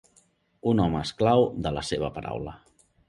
Un home esclau de la seva paraula.